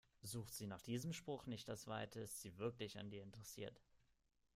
Sucht sie nach diesem Spruch nicht das Weite, ist sie wirklich an dir interessiert.